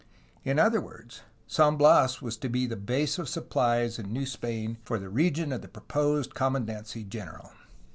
In other words, San Bias was to be the base of supplies in New Spain for the region of the proposed commandancy general.